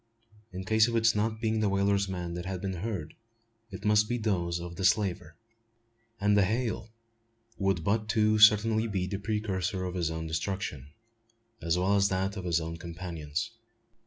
In case of its not being the whaler's men that had been heard it must be those of the slaver; and the hail would but too certainly be the precursor to his own destruction, as well as that of his companions.